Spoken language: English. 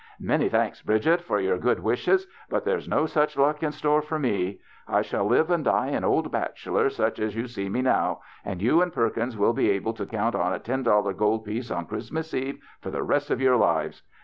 "Many thanks, Bridget, for your good wishes, but there's no such luck in store for me. I shall live and die an old bachelor such as you see me now, and you and Perkins will be able to count on a ten dollar gold piece on Christmas eve for the rest of your lives.